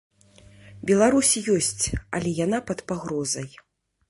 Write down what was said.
Беларусь ёсць, але яна пад пагрозай.